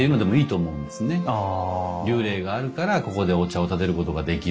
立礼があるからここでお茶を点てることができる。